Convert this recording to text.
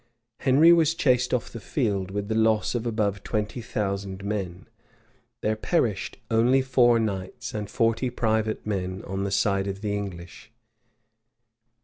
Henry was chased off the field, with the loss of above twenty thousand men: there perished only four knights and forty private men on the side of the English.